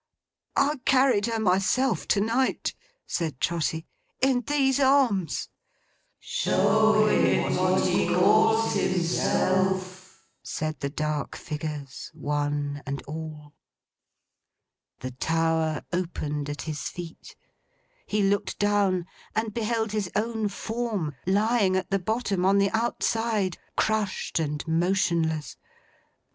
'I carried her myself, to night,' said Trotty. 'In these arms!' 'Show him what he calls himself,' said the dark figures, one and all. The tower opened at his feet. He looked down, and beheld his own form, lying at the bottom, on the outside: crushed and motionless.